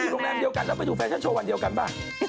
โรงแรมเดียวกันแล้วไปดูแฟชั่นโชว์วันเดียวกันป่ะ